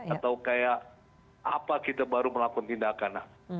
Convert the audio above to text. atau kayak apa kita baru melakukan tindakan